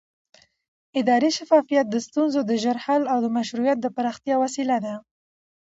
اداري شفافیت د ستونزو د ژر حل او مشروعیت د پراختیا وسیله ده